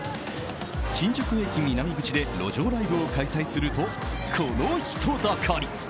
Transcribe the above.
新宿駅南口で路上ライブを開催するとこの人だかり。